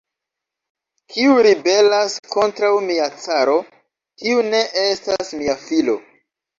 Kiu ribelas kontraŭ mia caro, tiu ne estas mia filo.